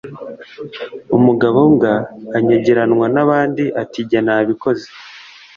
Umugabo mbwa anyagiranwa n’abandi ati jye naboze.